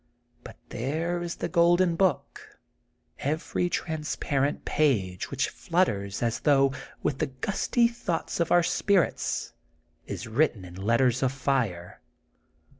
But there is The Golden Book. Every transparent page, which flutters as though with the gusty thoughts of our spirits, is written in letters of fire.